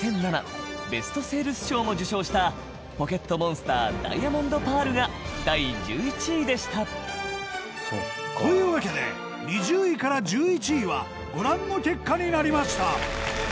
ベストセールス賞も受賞した『ポケットモンスターダイヤモンド・パール』が第１１位でしたというわけで２０位から１１位はご覧の結果になりました